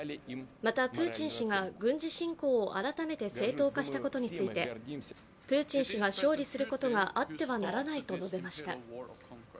また、プーチン氏が軍事侵攻を改めて正当化したことについてプーチン氏が勝利することがあってはならないと述べました。